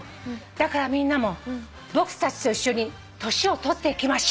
「だからみんなも僕たちと一緒に年を取っていきましょう」